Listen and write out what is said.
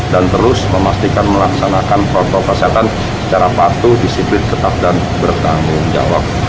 dan terus memastikan melaksanakan protokol kesehatan secara patuh disiplin ketat dan bertanggung jawab